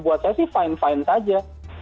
buat saya sih fine fine saja